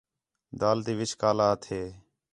دال تی وِچ کالا ہَتھے